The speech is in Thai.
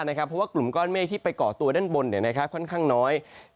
เพราะว่ากลุ่มก้อนเมฆที่ไปก่อตัวด้านบนค่อนข้างน้อย